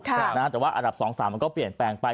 แต่ว่าอันดับ๒๓มันก็เปลี่ยนแปลงไป